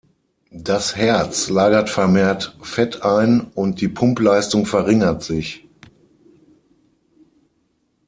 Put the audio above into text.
Das Herz lagert vermehrt Fett ein und die Pumpleistung verringert sich.